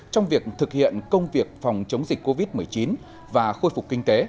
trong việc thực hiện công việc phòng chống dịch covid một mươi chín và khôi phục kinh tế